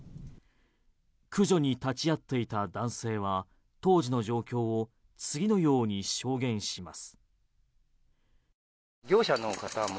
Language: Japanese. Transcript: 駆除に立ち会っていた男性は当時の状況を次のように証言します。